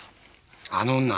あの女